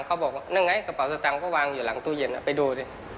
เขาบอกว่านั่นไงกระเป๋าสตังค์ก็วางอยู่หลังตู้เย็นไปดูดิ